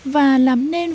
và làm nên